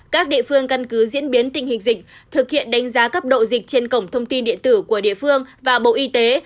các địa phương căn cứ diễn biến tình hình dịch thực hiện đánh giá cấp độ dịch trên cổng thông tin điện tử của địa phương và bộ y tế